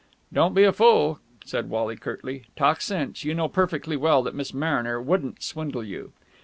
"Don't be a fool," said Wally curtly. "Talk sense! You know perfectly well that Miss Mariner wouldn't swindle you."